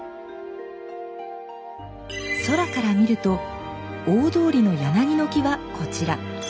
空から見ると大通りの柳の木はこちら。